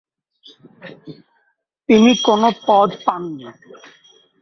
তিনি কোনো পদ পাননি।